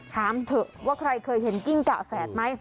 ถามเถอะว่าใครเคยเห็นกิ้งกะแฝดไหม